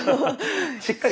はい。